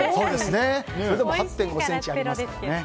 それでも８．５ｃｍありますからね。